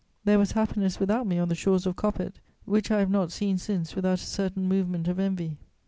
There was happiness without me on the shores of Coppet, which I have not seen since without a certain movement of envy.